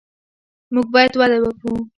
موږ باید وده ورکړو.